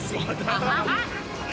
ハハハ！